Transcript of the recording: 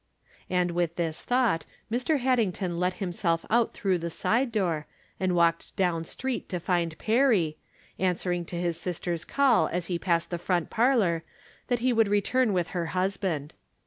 And with this thought Mr. Haddington let himself out through the side door, and walked down street to find Perry, answering to his sis ter's call as he passed the front parlor that he would return with her husband.